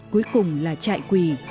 cuối cùng là chạy quỳ